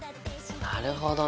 なるほどね。